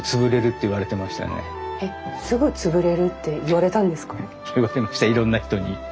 言われましたいろんな人に。